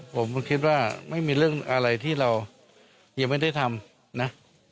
ผมก็คิดว่าไม่มีเรื่องอะไรที่เรายังไม่ได้ทำนะ